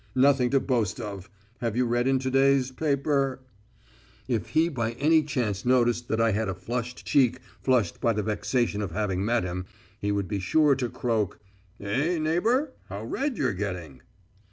Nothing to boast of. Have you read in to day's paper...?" If he by any chance noticed that I had a flushed cheek, flushed by the vexation of having met him, he would be sure to croak: "Eh, neighbour, how red you're getting."